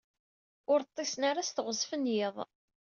Ur ḍḍisen ara s teɣzef n yiḍ.